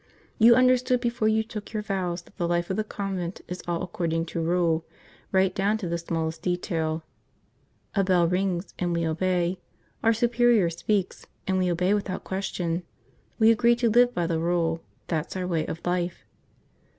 You understood before you took your vows that the life of the convent is all according to rule, right down to the smallest detail. A bell rings and we obey, our superior speaks and we obey without question. We agree to live by the rule, that's our way of life."